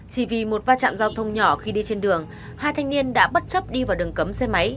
chỉ vì một va chạm giao thông nhỏ khi đi trên đường hai thanh niên đã bất chấp đi vào đường cấm xe máy